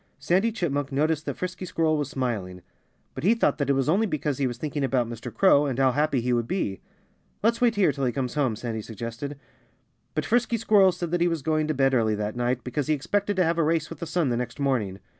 Sandy Chipmunk noticed that Frisky Squirrel was smiling. But he thought that it was only because he was thinking about Mr. Crow, and how happy he would be. "Let's wait here till he comes home," Sandy suggested. But Frisky Squirrel said that he was going to bed early that night, because he expected to have a race with the sun the next morning.